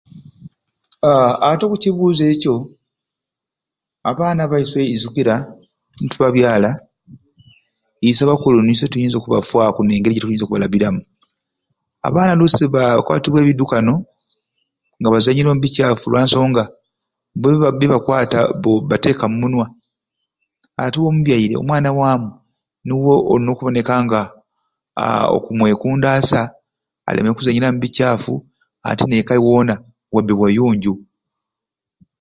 Aahh ati okukibuzo ekyo, abaana baiswe izukira nitubabyala iswe abakulu niswe tuyinza okubafaku nengeri jetuyinza okubalabiraamu, abaana olusi bakwatibwa ebidukano nga bazenyaire ombikyaffu lwansonga bbo bbi byebatwaka bbo bateeka mumunywa atiwe ombyaire omwana wamu niwe olina okuboneka nga aahh okumwekundasa aleme kuzenyeera mbikyaffu ate nekka wona wabbe wayonjo.